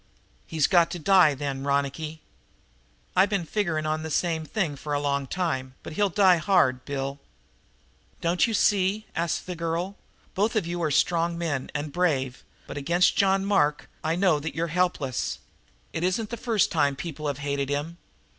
"He's got to die, then, Ronicky." "I been figuring on the same thing for a long time, but he'll die hard, Bill." "Don't you see?" asked the girl. "Both of you are strong men and brave, but against John Mark I know that you're helpless. It isn't the first time people have hated him.